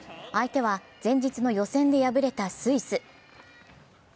相手は前日の予選で敗れたスイス。